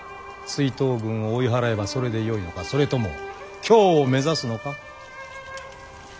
追討軍を追い払えばそれでよいのかそれとも京を目指すのか。